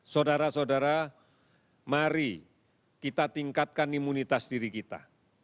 saudara saudara mari kita tingkatkan imunitas diri kita